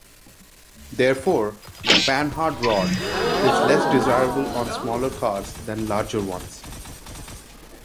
Therefore, the Panhard rod is less desirable on smaller cars than larger ones.